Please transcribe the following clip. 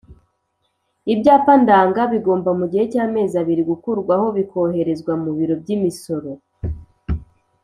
ibyapa ndanga bigomba mu gihe cy'amezi abiri gukurwaho bikoherezwa mu biro by'imisoro